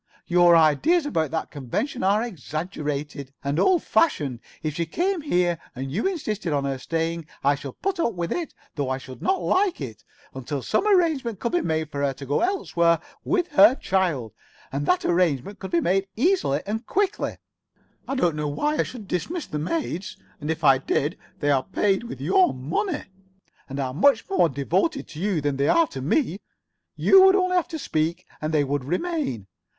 Your ideas about that convention are exaggerated, and old fashioned. If she did come here, and you insisted on her staying, I should put up with it, though I should not like it, until some arrangement could be made for her to go elsewhere with her child. And that arrangement could be made easily and quickly. I do not see why I should dismiss the maids, and if I did they are paid with your money, and are much more devoted to you than they are to me. You would only have to speak and they would remain.